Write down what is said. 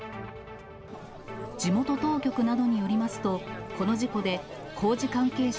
地元当局などによりますと、この事故で工事関係者